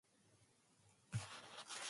Jane now came up.